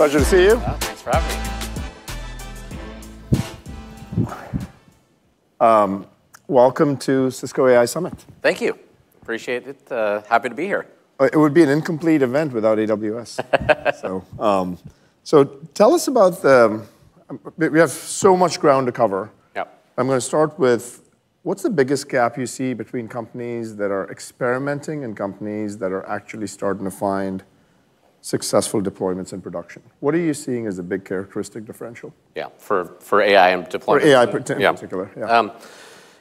Pleasure to see you. Yeah, thanks for having me. Welcome to Cisco AI Summit. Thank you. Appreciate it, happy to be here. It would be an incomplete event without AWS, so tell us about the. We have so much ground to cover. Yep. I'm gonna start with what's the biggest gap you see between companies that are experimenting and companies that are actually starting to find successful deployments in production? What are you seeing as the big characteristic differential? Yeah, for AI and deployments. For AI per se in particular, yeah.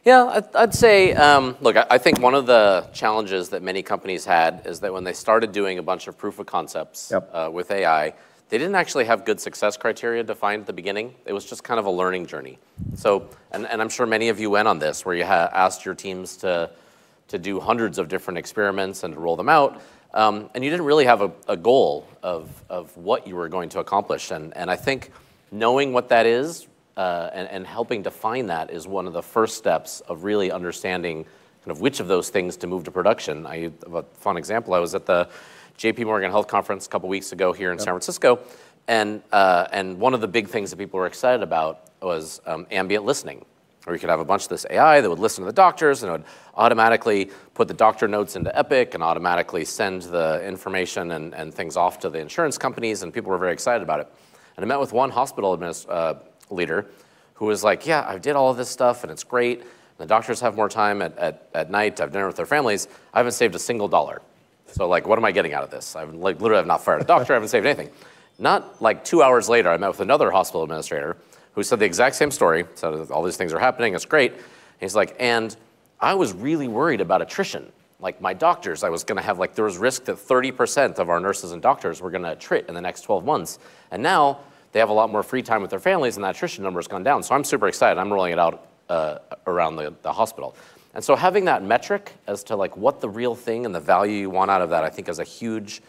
Yeah, I'd say, look, I think one of the challenges that many companies had is that when they started doing a bunch of proof of concepts. Yep. With AI, they didn't actually have good success criteria defined at the beginning. It was just kind of a learning journey. So, and I'm sure many of you went on this where you have asked your teams to do hundreds of different experiments and to roll them out, and you didn't really have a goal of what you were going to accomplish. And I think knowing what that is and helping define that is one of the first steps of really understanding kind of which of those things to move to production. A fun example, I was at the JPMorgan Health Conference a couple weeks ago here in San Francisco. Yep. And one of the big things that people were excited about was ambient listening, where you could have a bunch of this AI that would listen to the doctors and it would automatically put the doctor notes into Epic and automatically send the information and things off to the insurance companies. And people were very excited about it. And I met with one hospital admin leader who was like, "Yeah, I did all of this stuff and it's great. And the doctors have more time at night. I've dinner with their families. I haven't saved a single dollar. So, like, what am I getting out of this? I've literally have not fired a doctor. I haven't saved anything." Not like two hours later, I met with another hospital administrator who said the exact same story. Said, "All these things are happening. It's great." And he's like, "And I was really worried about attrition. Like, my doctors, I was gonna have, like, there was risk that 30% of our nurses and doctors were gonna attrite in the next 12 months. And now they have a lot more free time with their families and that attrition number's gone down. So I'm super excited. I'm rolling it out around the hospital." And so having that metric as to, like, what the real thing and the value you want out of that, I think, is a huge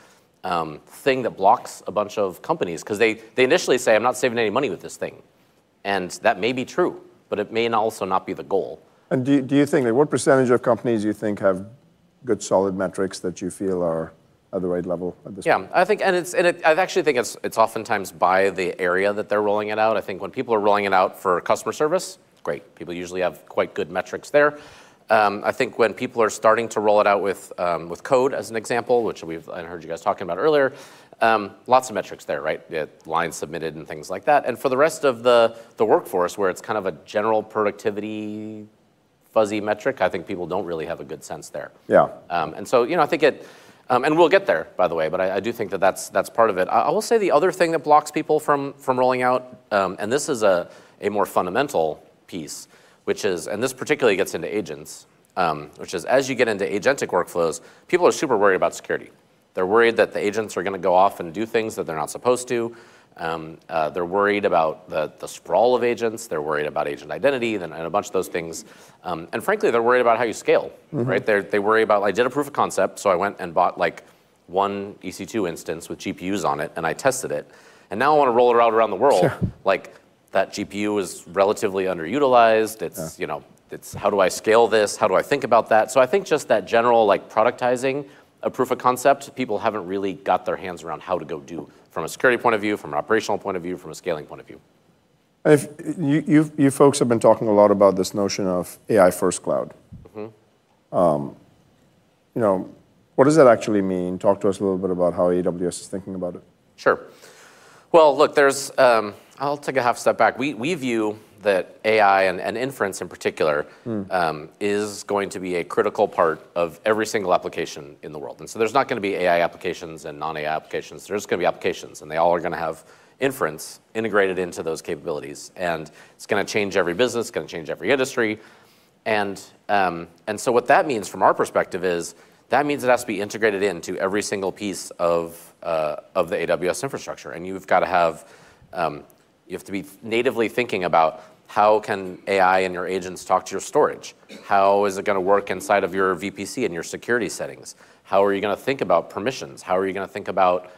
thing that blocks a bunch of companies 'cause they initially say, "I'm not saving any money with this thing." And that may be true, but it may also not be the goal. Do you think, like, what percentage of companies do you think have good, solid metrics that you feel are at the right level at this point? Yeah, I think and it I actually think it's oftentimes by the area that they're rolling it out. I think when people are rolling it out for customer service, great. People usually have quite good metrics there. I think when people are starting to roll it out with code as an example, which we've I heard you guys talking about earlier, lots of metrics there, right? Lines submitted and things like that. And for the rest of the workforce where it's kind of a general productivity fuzzy metric, I think people don't really have a good sense there. Yeah. And so, you know, I think it, and we'll get there, by the way, but I, I do think that that's, that's part of it. I, I will say the other thing that blocks people from, from rolling out, and this is a, a more fundamental piece, which is, and this particularly gets into agents, which is as you get into agentic workflows, people are super worried about security. They're worried that the agents are gonna go off and do things that they're not supposed to. They're worried about the, the sprawl of agents. They're worried about agent identity and, and a bunch of those things. And frankly, they're worried about how you scale. Mm-hmm. Right? They worry about, like, I did a proof of concept. So I went and bought, like, one EC2 instance with GPUs on it and I tested it. And now I wanna roll it around the world. Sure. Like, that GPU is relatively underutilized. It's. Yeah. You know, it's how do I scale this? How do I think about that? So I think just that general, like, productizing a proof of concept. People haven't really got their hands around how to go do from a security point of view, from an operational point of view, from a scaling point of view. If you folks have been talking a lot about this notion of AI-first cloud. Mm-hmm. You know, what does that actually mean? Talk to us a little bit about how AWS is thinking about it. Sure. Well, look, there's, I'll take a half step back. We view that AI and inference in particular is going to be a critical part of every single application in the world. And so there's not gonna be AI applications and non-AI applications. There's gonna be applications, and they all are gonna have inference integrated into those capabilities. And it's gonna change every business. It's gonna change every industry. And so what that means from our perspective is that means it has to be integrated into every single piece of the AWS infrastructure. And you've gotta have, you have to be natively thinking about how can AI and your agents talk to your storage? How is it gonna work inside of your VPC and your security settings? How are you gonna think about permissions? How are you gonna think about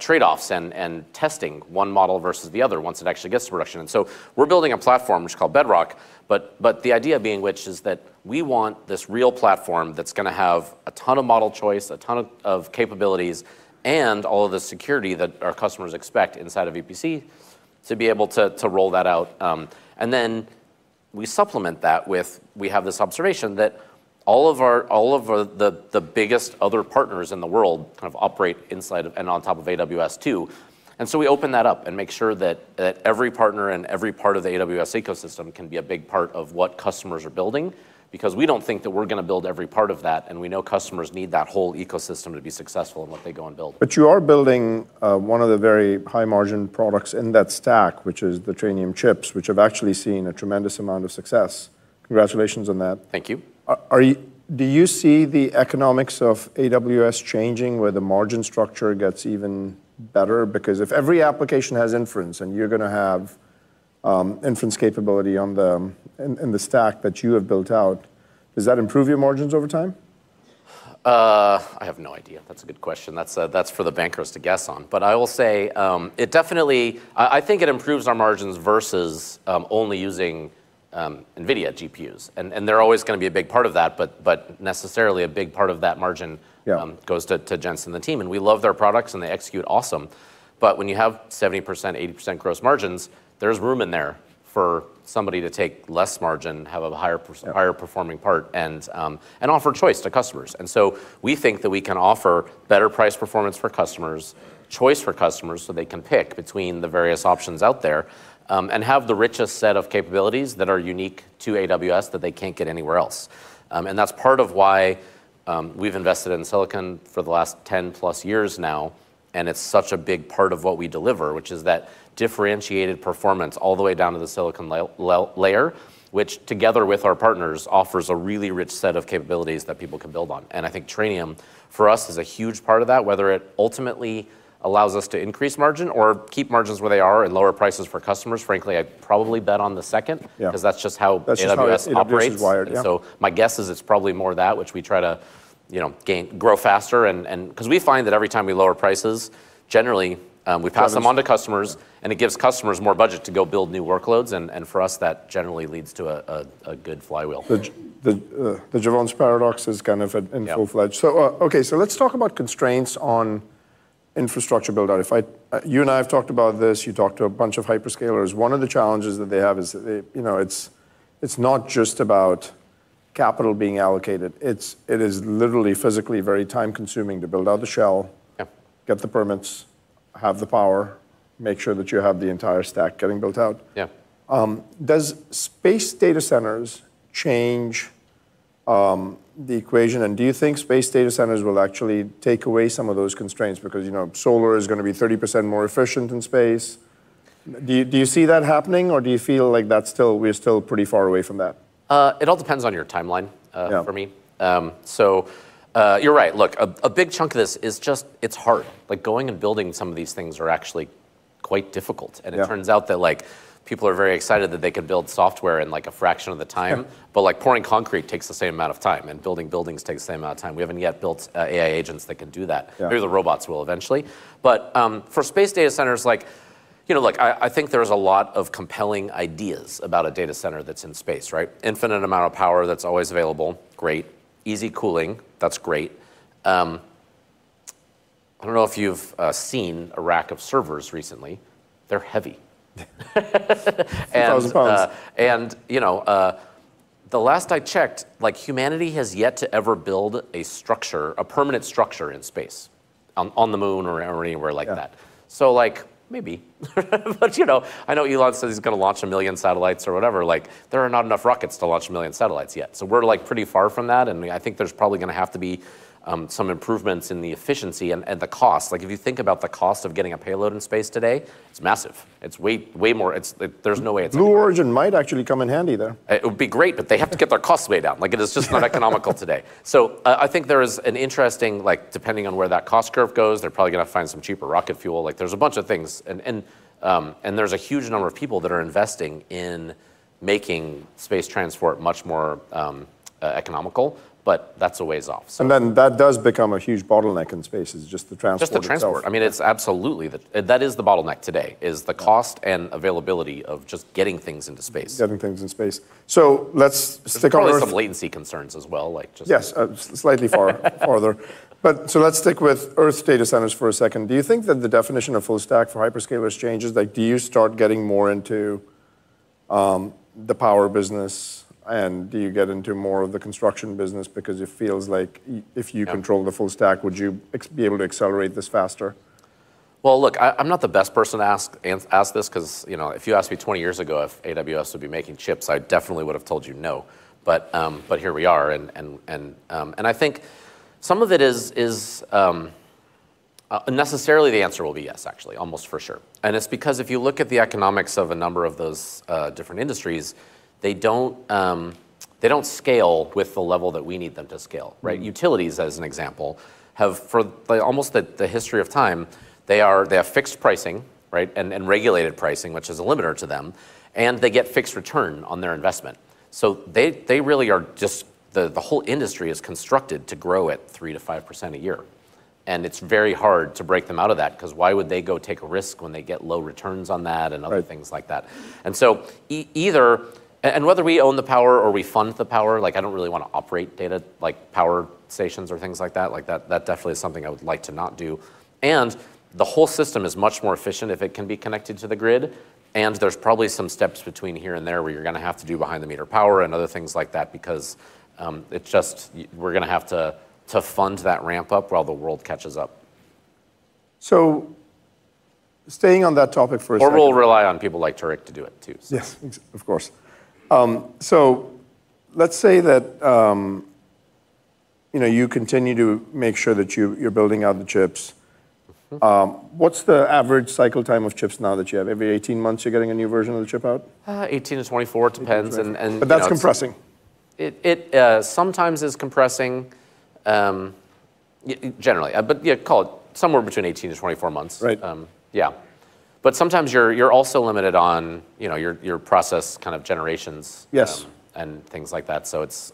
trade-offs and testing one model versus the other once it actually gets to production? And so we're building a platform which is called Bedrock, but the idea being which is that we want this real platform that's gonna have a ton of model choice, a ton of capabilities, and all of the security that our customers expect inside of VPC to be able to roll that out. And then we supplement that with we have this observation that all of our, all of our, the biggest other partners in the world kind of operate inside of and on top of AWS too. So we open that up and make sure that every partner and every part of the AWS ecosystem can be a big part of what customers are building because we don't think that we're gonna build every part of that. And we know customers need that whole ecosystem to be successful in what they go and build. But you are building, one of the very high-margin products in that stack, which is the Trainium chips, which have actually seen a tremendous amount of success. Congratulations on that. Thank you. Are you, do you see the economics of AWS changing where the margin structure gets even better? Because if every application has inference and you're gonna have inference capability in the stack that you have built out, does that improve your margins over time? I have no idea. That's a good question. That's for the bankers to guess on. But I will say, it definitely, I think it improves our margins versus only using NVIDIA GPUs. And they're always gonna be a big part of that, but not necessarily a big part of that margin. Yeah. Goes to Jensen and the team. And we love their products and they execute awesome. But when you have 70%, 80% gross margins, there's room in there for somebody to take less margin, have a higher performing part, and offer choice to customers. And so we think that we can offer better price performance for customers, choice for customers so they can pick between the various options out there, and have the richest set of capabilities that are unique to AWS that they can't get anywhere else. And that's part of why we've invested in silicon for the last 10+ years now. And it's such a big part of what we deliver, which is that differentiated performance all the way down to the silicon layer, which together with our partners offers a really rich set of capabilities that people can build on. I think Trainium for us is a huge part of that, whether it ultimately allows us to increase margin or keep margins where they are and lower prices for customers. Frankly, I'd probably bet on the second. Yeah. 'Cause that's just how AWS operates. AWS is wired, yeah. So my guess is it's probably more that, which we try to, you know, grow faster and 'cause we find that every time we lower prices, generally, we pass them on to customers and it gives customers more budget to go build new workloads. And for us, that generally leads to a good flywheel. The Jevons paradox is kind of in full fledged. Yeah. Okay. Let's talk about constraints on infrastructure buildout. You and I have talked about this. You talked to a bunch of hyperscalers. One of the challenges that they have is that they, you know, it's, it's not just about capital being allocated. It's, it is literally physically very time-consuming to build out the shell. Yeah. Get the permits, have the power, make sure that you have the entire stack getting built out. Yeah. Does space data centers change the equation? And do you think space data centers will actually take away some of those constraints because, you know, solar is gonna be 30% more efficient in space? Do you see that happening or do you feel like that's still, we are still pretty far away from that? It all depends on your timeline, for me. Yeah. You're right. Look, a big chunk of this is just, it's hard. Like, going and building some of these things are actually quite difficult. Yeah. It turns out that, like, people are very excited that they can build software in, like, a fraction of the time. Yeah. But like, pouring concrete takes the same amount of time, and building buildings takes the same amount of time. We haven't yet built AI agents that can do that. Yeah. Maybe the robots will eventually. But, for space data centers, like, you know, look, I, I think there's a lot of compelling ideas about a data center that's in space, right? Infinite amount of power that's always available. Great. Easy cooling. That's great. I don't know if you've seen a rack of servers recently. They're heavy. And. 2,000 lbs. You know, the last I checked, like, humanity has yet to ever build a structure, a permanent structure in space on the Moon or anywhere like that. Yeah. So, like, maybe. But, you know, I know Elon said he's gonna launch one million satellites or whatever. Like, there are not enough rockets to launch one million satellites yet. So we're, like, pretty far from that. And I think there's probably gonna have to be some improvements in the efficiency and the cost. Like, if you think about the cost of getting a payload in space today, it's massive. It's way, way more. It's, it, there's no way it's gonna. Blue Origin might actually come in handy there. It would be great, but they have to get their costs way down. Like, it is just not economical today. So, I think there is an interesting, like, depending on where that cost curve goes, they're probably gonna find some cheaper rocket fuel. Like, there's a bunch of things. And there's a huge number of people that are investing in making space transport much more economical, but that's a ways off, so. And then that does become a huge bottleneck in space is just the transport. Just the transport. I mean, it's absolutely the, that is the bottleneck today is the cost and availability of just getting things into space. Getting things in space. So let's stick on Earth. There's probably some latency concerns as well, like just. Yes. Slightly far, farther. But so let's stick with Earth data centers for a second. Do you think that the definition of full stack for hyperscalers changes? Like, do you start getting more into the power business? And do you get into more of the construction business because it feels like if you control the full stack, would you be able to accelerate this faster? Well, look, I, I'm not the best person to ask this 'cause, you know, if you asked me 20 years ago if AWS would be making chips, I definitely would've told you no. But here we are. And I think some of it is necessarily the answer will be yes, actually, almost for sure. And it's because if you look at the economics of a number of those different industries, they don't scale with the level that we need them to scale, right? Utilities, as an example, have for almost the history of time fixed pricing, right, and regulated pricing, which is a limiter to them. And they get fixed return on their investment. So they really are just the whole industry is constructed to grow at 3%-5% a year. It's very hard to break them out of that 'cause why would they go take a risk when they get low returns on that and other things like that? Right. Whether we own the power or we fund the power, like, I don't really wanna operate data centers like power stations or things like that. Like, that definitely is something I would like to not do. The whole system is much more efficient if it can be connected to the grid. There's probably some steps between here and there where you're gonna have to do behind-the-meter power and other things like that because it's just we're gonna have to fund that ramp-up while the world catches up. Staying on that topic for a second. Or we'll rely on people like Tareq to do it too, so. Yes. Of course. So let's say that, you know, you continue to make sure that you, you're building out the chips. Mm-hmm. What's the average cycle time of chips now that you have? Every 18 months you're getting a new version of the chip out? 18-24. It depends. And, you know. But that's compressing. It sometimes is compressing, generally. But yeah, call it somewhere between 18-24 months. Right. Yeah. But sometimes you're also limited on, you know, your process kind of generations. Yes. Things like that. So it's,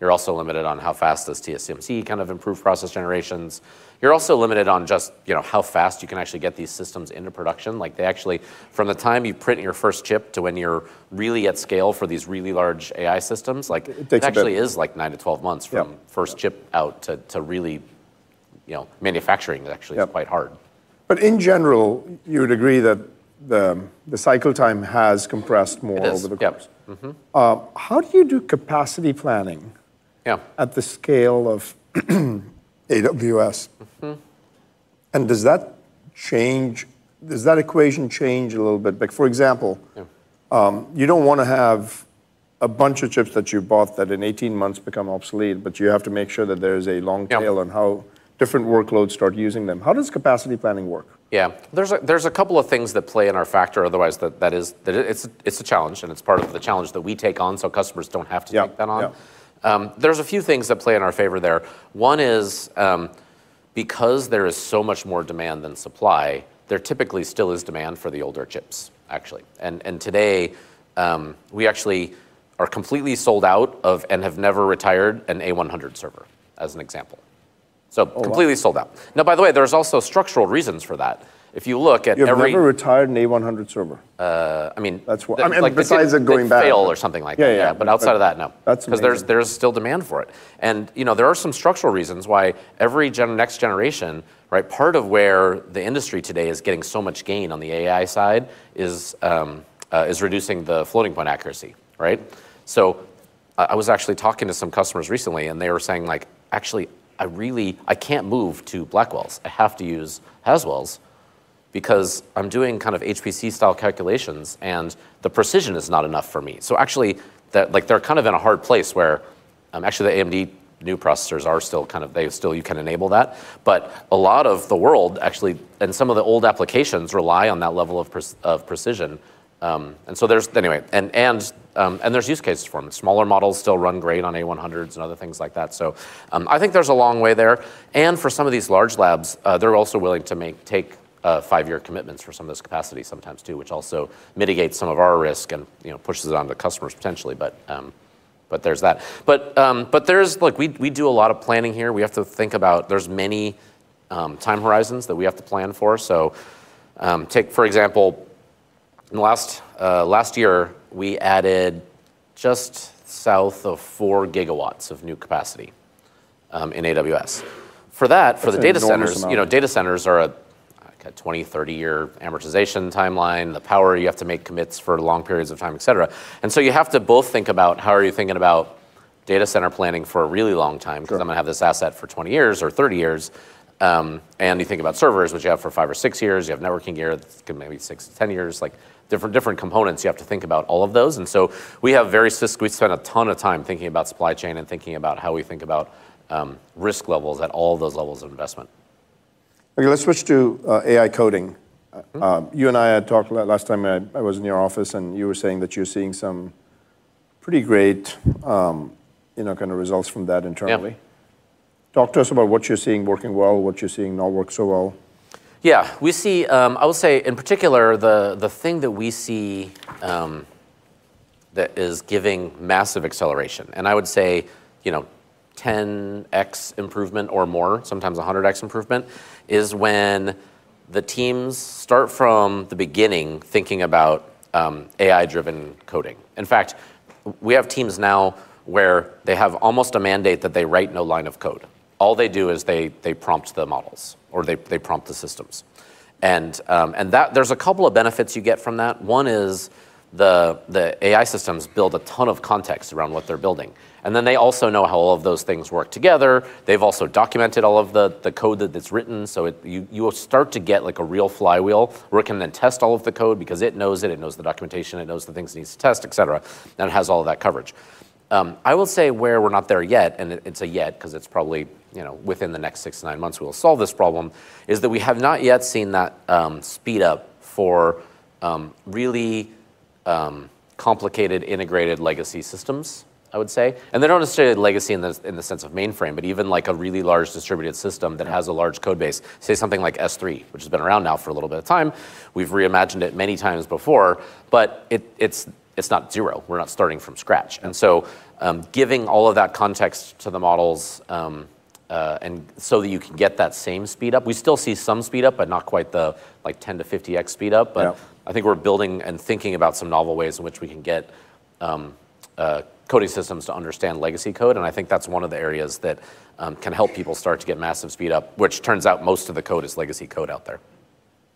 you're also limited on how fast does TSMC kind of improve process generations? You're also limited on just, you know, how fast you can actually get these systems into production. Like, they actually, from the time you print your first chip to when you're really at scale for these really large AI systems, like. It takes a bit. It actually is like nine to 12 months from. Yeah. First chip out to really, you know, manufacturing actually is quite hard. Yeah. But in general, you would agree that the cycle time has compressed more over the course of. It is. Yep. Mm-hmm. How do you do capacity planning? Yeah. At the scale of AWS? Mm-hmm. Does that change, does that equation change a little bit? Like, for example. Yeah. You don't wanna have a bunch of chips that you bought that in 18 months become obsolete, but you have to make sure that there's a long tail on how different workloads start using them. How does capacity planning work? Yeah. There's a couple of things that play in our factor otherwise that it is a challenge, and it's part of the challenge that we take on so customers don't have to take that on. Yeah. Yeah. There's a few things that play in our favor there. One is, because there is so much more demand than supply, there typically still is demand for the older chips, actually. And today, we actually are completely sold out of and have never retired an A100 server, as an example. So completely sold out. Oh, wow. Now, by the way, there's also structural reasons for that. If you look at every. You have never retired an A100 server. I mean. That's why. I mean, besides it going back. Fail or something like that. Yeah, yeah. But outside of that, no. That's amazing. 'Cause there's still demand for it. And, you know, there are some structural reasons why every gen next generation, right, part of where the industry today is getting so much gain on the AI side is reducing the floating point accuracy, right? So I was actually talking to some customers recently, and they were saying, like, actually, I really can't move to Blackwells. I have to use Haswells because I'm doing kind of HPC-style calculations, and the precision is not enough for me. So actually, that, like, they're kind of in a hard place where, actually, the AMD new processors are still kind of, they still, you can enable that. But a lot of the world actually, and some of the old applications rely on that level of precision. And so there's, anyway, there's use cases for them. Smaller models still run great on A100s and other things like that. So, I think there's a long way there. And for some of these large labs, they're also willing to make take five-year commitments for some of those capacities sometimes too, which also mitigates some of our risk and, you know, pushes it onto the customers potentially. But there's that. But there's, like, we do a lot of planning here. We have to think about, there's many time horizons that we have to plan for. So, take, for example, in the last year, we added just south of 4 GW of new capacity in AWS for the data centers. That's a little nervous. You know, data centers are a, like, a 20-30-year amortization timeline. The power, you have to make commits for long periods of time, etc. And so you have to both think about how are you thinking about data center planning for a really long time. Sure. 'Cause I'm gonna have this asset for 20 years or 30 years. And you think about servers, which you have for five or six years. You have networking gear that's gonna maybe six to 10 years. Like, different, different components. You have to think about all of those. And so we have a thesis, we spend a ton of time thinking about supply chain and thinking about how we think about, risk levels at all of those levels of investment. Okay. Let's switch to AI coding. You and I had talked last time I was in your office, and you were saying that you're seeing some pretty great, you know, kind of results from that internally. Yeah. Talk to us about what you're seeing working well, what you're seeing not work so well? Yeah. We see, I would say in particular, the thing that we see, that is giving massive acceleration, and I would say, you know, 10x improvement or more, sometimes 100x improvement, is when the teams start from the beginning thinking about AI-driven coding. In fact, we have teams now where they have almost a mandate that they write no line of code. All they do is they prompt the models or they prompt the systems. And that, there's a couple of benefits you get from that. One is the AI systems build a ton of context around what they're building. And then they also know how all of those things work together. They've also documented all of the code that that's written. So you'll start to get, like, a real flywheel where it can then test all of the code because it knows it. It knows the documentation. It knows the things it needs to test, etc. And it has all of that coverage. I will say where we're not there yet, and it's a yet 'cause it's probably, you know, within the next six to nine months, we'll solve this problem, is that we have not yet seen that speed up for really complicated integrated legacy systems, I would say. And they're not necessarily legacy in the sense of mainframe, but even, like, a really large distributed system that has a large code base. Say something like S3, which has been around now for a little bit of time. We've reimagined it many times before, but it's not zero. We're not starting from scratch. And so, giving all of that context to the models, and so that you can get that same speed up, we still see some speed up, but not quite the, like, 10x-50x speed up. But. Yeah. I think we're building and thinking about some novel ways in which we can get coding systems to understand legacy code. And I think that's one of the areas that can help people start to get massive speed up, which turns out most of the code is legacy code out there.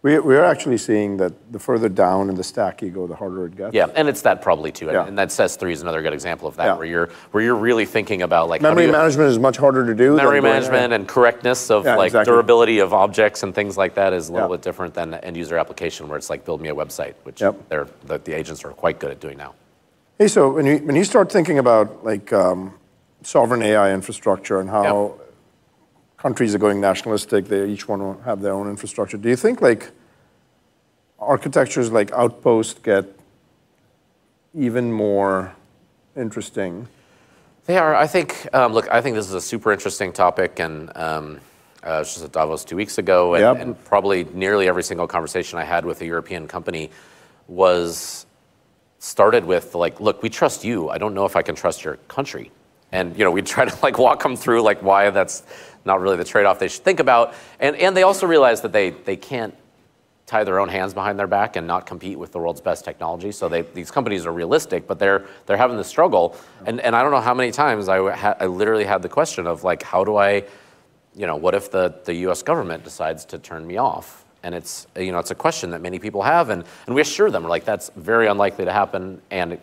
We are actually seeing that the further down in the stack you go, the harder it gets. Yeah. And it's that probably too. Yeah. That S3's another good example of that. Yeah. Where you're really thinking about, like, how do you? Memory management is much harder to do than what you're doing. Memory management and correctness of, like. Exactly. Durability of objects and things like that is a little bit different than user application where it's like, build me a website, which. Yep. They're, the agents are quite good at doing now. Hey, so when you start thinking about, like, sovereign AI infrastructure and how. Yeah. Countries are going nationalistic, they each wanna have their own infrastructure, do you think, like, architectures like Outpost get even more interesting? They are. I think, look, I think this is a super interesting topic. I was just at Davos two weeks ago. Yeah. And probably nearly every single conversation I had with a European company was started with, like, look, we trust you. I don't know if I can trust your country. And, you know, we'd try to, like, walk them through, like, why that's not really the trade-off they should think about. And they also realize that they can't tie their own hands behind their back and not compete with the world's best technology. So they, these companies are realistic, but they're having the struggle. And I don't know how many times I literally had the question of, like, how do I, you know, what if the U.S. government decides to turn me off? And it's, you know, it's a question that many people have. And we assure them, like, that's very unlikely to happen. It, you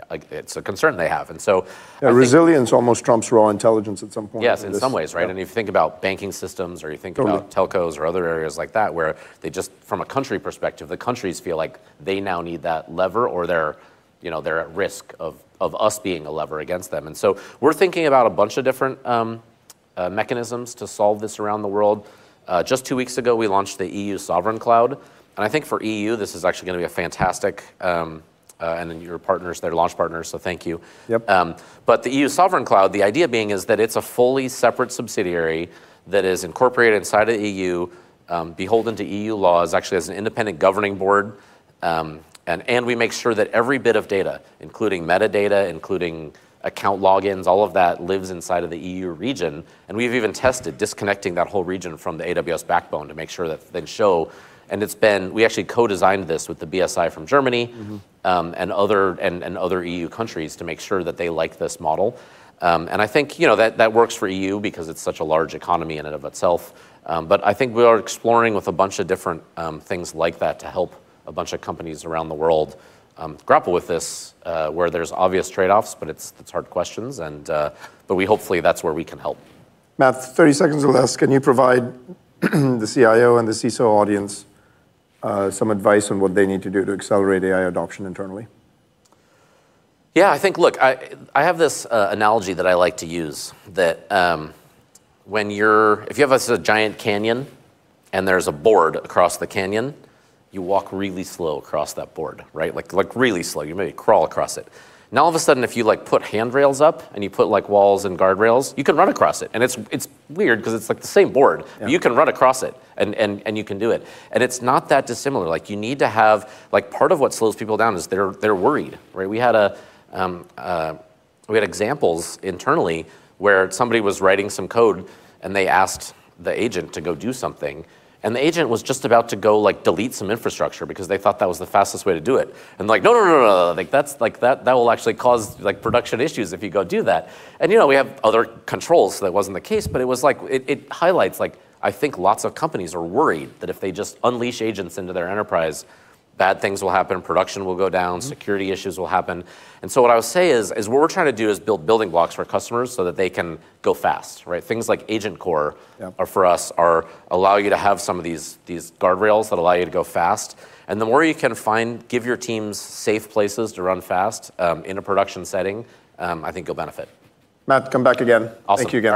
know, like, it's a concern they have. So. Yeah. Resilience almost trumps raw intelligence at some point. Yes, in some ways, right? And you think about banking systems or you think about. Totally. Telcos or other areas like that where they just, from a country perspective, the countries feel like they now need that lever or they're, you know, they're at risk of, of us being a lever against them. And so we're thinking about a bunch of different mechanisms to solve this around the world. Just two weeks ago, we launched the EU Sovereign Cloud. And I think for EU, this is actually gonna be a fantastic, and then your partners, they're launch partners, so thank you. Yep. the EU Sovereign Cloud, the idea being is that it's a fully separate subsidiary that is incorporated inside of the EU, beholden to EU laws, actually has an independent governing board. And we make sure that every bit of data, including metadata, including account logins, all of that lives inside of the EU region. And we've even tested disconnecting that whole region from the AWS backbone to make sure that then show. And it's been, we actually co-designed this with the BSI from Germany. Mm-hmm. And other EU countries to make sure that they like this model. And I think, you know, that that works for EU because it's such a large economy in and of itself. But I think we are exploring with a bunch of different things like that to help a bunch of companies around the world grapple with this, where there's obvious trade-offs, but it's hard questions. But we hopefully that's where we can help. Matt, 30 seconds will last. Can you provide the CIO and the CISO audience some advice on what they need to do to accelerate AI adoption internally? Yeah. I think, look, I, I have this analogy that I like to use that, when you're, if you have a, a giant canyon and there's a board across the canyon, you walk really slow across that board, right? Like, like, really slow. You maybe crawl across it. Now, all of a sudden, if you, like, put handrails up and you put, like, walls and guardrails, you can run across it. And it's, it's weird 'cause it's, like, the same board. But you can run across it. And you can do it. And it's not that dissimilar. Like, you need to have, like, part of what slows people down is they're worried, right? We had examples internally where somebody was writing some code, and they asked the agent to go do something. And the agent was just about to go, like, delete some infrastructure because they thought that was the fastest way to do it. And they're like, "No, no, no, no, no. Like, that's like that will actually cause, like, production issues if you go do that." And, you know, we have other controls. That wasn't the case, but it was like, it highlights, like, I think lots of companies are worried that if they just unleash agents into their enterprise, bad things will happen, production will go down, security issues will happen. And so what I would say is what we're trying to do is build building blocks for customers so that they can go fast, right? Things like AgentCore. Yeah. For us or allow you to have some of these, these guardrails that allow you to go fast. And the more you can find, give your teams safe places to run fast, in a production setting, I think you'll benefit. Matt, come back again. Awesome. Thank you again.